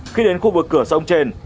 khi đến khu vực cửa sông trên